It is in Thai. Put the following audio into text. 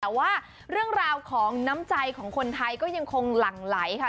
แต่ว่าเรื่องราวของน้ำใจของคนไทยก็ยังคงหลั่งไหลค่ะ